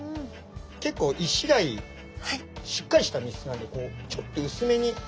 結構イシダイしっかりした身質なんでこうちょっと薄めに。